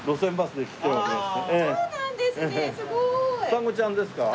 双子ちゃんですか？